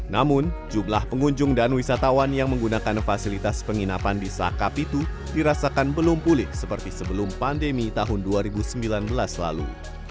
namun jumlah pengunjung dan wisatawan yang menggunakan fasilitas penginapan di sah kapitu dirasakan belum pulih seperti sebelum pandemi tahun dua ribu sembilan belas lalu